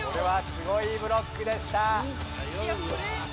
すごいブロックでした。